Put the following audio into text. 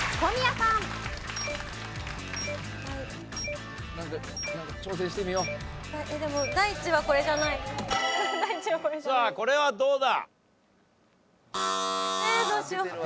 さあこれはどうだ？